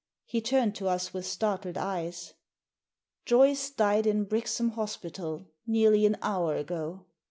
He turned to us with startled eyes. "Joyce died in Brixham Hospital nearly an hour ago.